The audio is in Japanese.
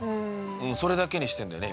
それだけにしてんだよね